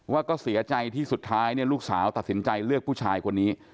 ว่าก็เสียใจที่สุดท้ายลูกสาวตัดสินใจเลือกผู้ชายคนนี้